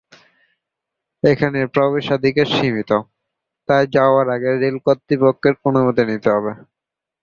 এখানে প্রবেশাধিকার সীমিত, তাই যাওয়ার আগে রেল কর্তৃপক্ষের অনুমতি নিতে হবে।